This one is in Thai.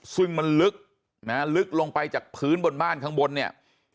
ซึ่งมันลึกนะฮะลึกลงไปจากพื้นบนบ้านข้างบนเนี่ย